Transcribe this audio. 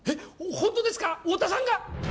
ホントですか太田さんが！？